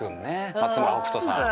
松村北斗さん。